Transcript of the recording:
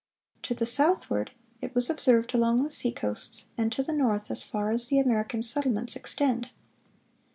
To the southward, it was observed along the seacoasts; and to the north as far as the American settlements extend."